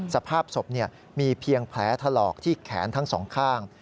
สภาพศพมีเพียงแผลถลอกที่แขนทั้งสองข้าง